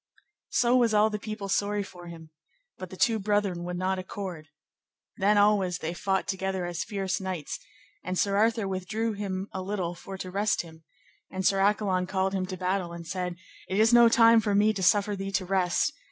So was all the people sorry for him, but the two brethren would not accord. Then always they fought together as fierce knights, and Sir Arthur withdrew him a little for to rest him, and Sir Accolon called him to battle and said, It is no time for me to suffer thee to rest.